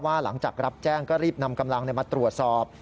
หลังจากรับแจ้งก็รีบนำกำลังมาตรวจสอบ